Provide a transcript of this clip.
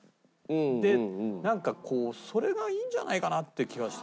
なんかそれがいいんじゃないかなって気がして。